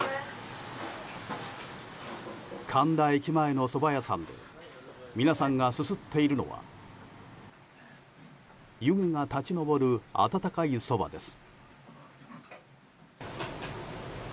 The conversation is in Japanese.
神田駅前のそば屋さんで皆さんがすすっているのは湯気が立ち上る温かいそばです。